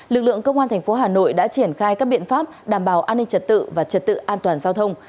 lực lượng công an thành phố hà nội đã triển khai các biện pháp đảm bảo an ninh trật tự và trật tự an toàn giao thông